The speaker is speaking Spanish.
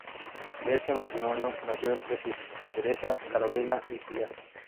De este matrimonio nacieron tres hijos: Teresa, Carolina y Julián.